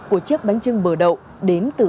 của chiếc bánh trưng bờ đậu đến từ